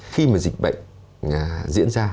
khi mà dịch bệnh diễn ra